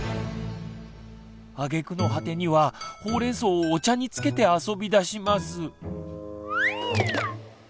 あげくの果てにはほうれんそうをお茶につけて遊びだします。